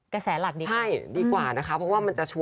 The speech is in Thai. กระแสหลักดีกว่าใช่ดีกว่านะคะเพราะว่ามันจะชัว